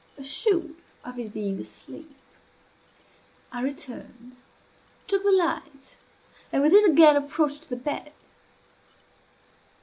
Assured of his being asleep, I returned, took the light, and with it again approached the bed.